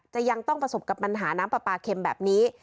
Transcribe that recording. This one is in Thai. ยังต้องประสบกับปัญหาน้ำปลาปลาเข็มแบบนี้